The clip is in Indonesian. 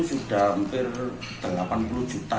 sudah hampir delapan puluh juta